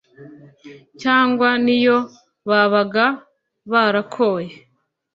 cyangwa n'iyo babaga 'barakoye